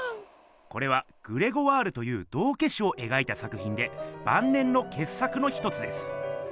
これは「グレゴワール」という道けしをえがいた作品でばん年のけっ作の一つです。